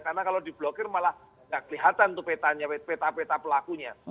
karena kalau diblokir malah tidak kelihatan itu petanya peta peta pelakunya